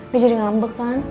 dia jadi ngambek kan